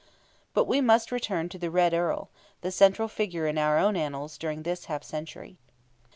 But we must return to "the Red Earl," the central figure in our own annals during this half century.